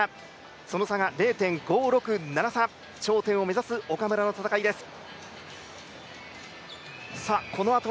その差が０．５６７差、頂点を目指す岡村の戦いです。